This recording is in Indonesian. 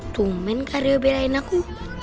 tumen karyo belain aku